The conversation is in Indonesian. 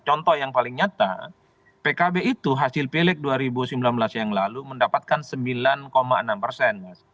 contoh yang paling nyata pkb itu hasil pilek dua ribu sembilan belas yang lalu mendapatkan sembilan enam persen